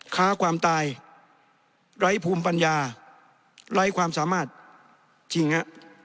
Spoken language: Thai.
ค้าความตายไร้ภูมิปัญญาไร้ความสามารถจริงฮะ